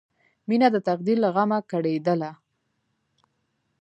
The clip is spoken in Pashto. مینه د تقدیر له غمه کړېدله